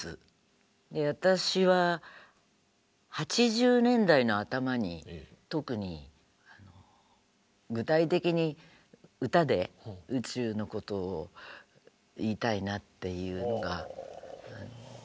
私は８０年代の頭に特に具体的に歌で宇宙のことを言いたいなっていうのがあったんですね。